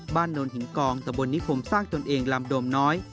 บ้านโน่หินกองแต่บนนี้ผมสร้างจนเองลำโดมน้อย